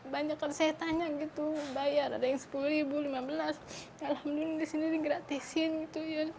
banyak kalau saya tanya gitu bayar ada yang sepuluh ribu lima belas alhamdulillah di sini digratisin gitu ya